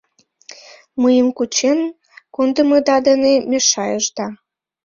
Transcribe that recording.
— Мыйым кучен кондымыда дене мешайышда».